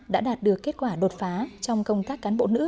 đã đạt được kết quả đột phá trong công tác cán bộ nữ